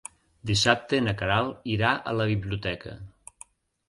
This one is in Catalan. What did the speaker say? Dissabte na Queralt irà a la biblioteca.